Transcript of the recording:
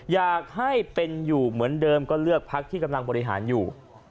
อยากให้เป็นอยู่เหมือนเดิมก็เลือกพักที่กำลังบริหารอยู่